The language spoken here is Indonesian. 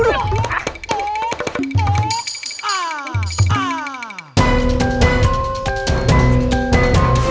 suka apa amir